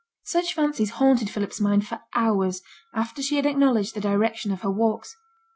Such fancies haunted Philip's mind for hours after she had acknowledged the direction of her walks.